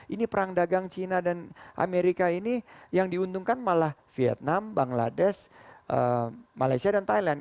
ini perang dagang cina dan amerika ini yang diuntungkan malah vietnam bangladesh malaysia dan thailand